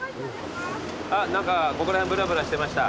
何かここら辺ぶらぶらしてました。